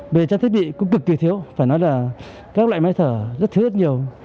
về trang thiết bị cũng cực kỳ thiếu phải nói là các loại máy thở rất thiếu rất nhiều